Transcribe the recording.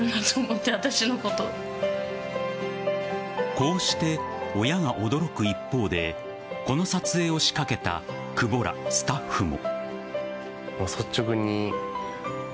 こうして、親が驚く一方でこの撮影を仕掛けた久保らスタッフも。